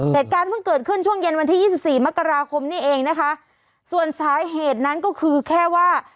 แต่การพึ่งเกิดขึ้นช่วงเย็นวันที่๒๔มกราคมนี่เองนะคะส่วนสาเหตุนั้นก็คือแค่ว่า